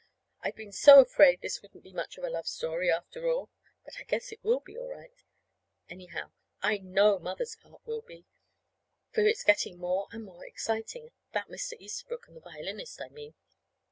I've been so afraid this wouldn't be much of a love story, after all. But I guess it will be, all right. Anyhow, I know Mother's part will be, for it's getting more and more exciting about Mr. Easterbrook and the violinist, I mean.